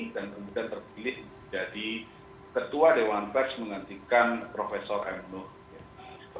dan kemudian terpilih jadi ketua dewan pers mengantikan profesor m nuh